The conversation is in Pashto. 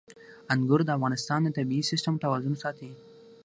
انګور د افغانستان د طبعي سیسټم توازن ساتي.